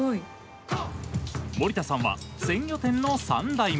森田さんは、鮮魚店の３代目。